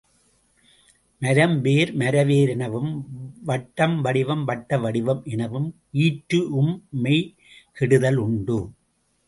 மரம் வேர் மரவேர் எனவும், வட்டம் வடிவம் வட்ட வடிவம் எனவும் ஈற்று ம் மெய் கெடுதல் உண்டு.